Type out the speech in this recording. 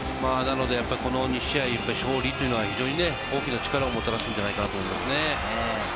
この２試合、勝利というのは非常に大きな力をもたらすんじゃないかなと思いますね。